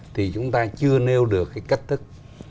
thì chúng ta chưa nêu được cái cách thức